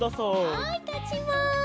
はいたちます。